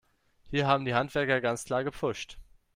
Hier haben die Handwerker ganz klar gepfuscht.